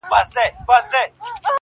اوس یې تر پاڼو بلبلکي په ټولۍ نه راځي؛